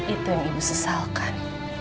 itu yang ibu sesalkan